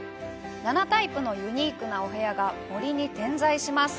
７タイプのユニークなお部屋が森に点在します。